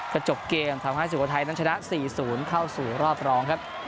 จบเกมทำให้สุโขทัยนั้นชนะ๔๐เข้าสู่รอบรองครับ